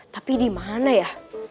tapi dimana ya